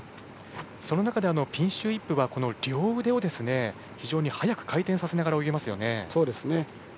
その中でピンシュー・イップは両腕を非常に速く回転させながら泳げますよね。